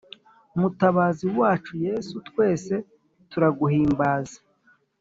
Mutabazi wacu yesu twese turaguhimbaze